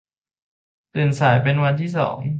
ตื่นสายเป็นวันที่สอง